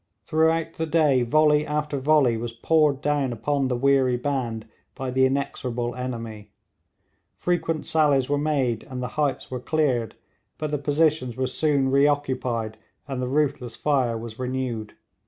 Throughout the day volley after volley was poured down upon the weary band by the inexorable enemy. Frequent sallies were made, and the heights were cleared, but the positions were soon reoccupied and the ruthless fire was renewed.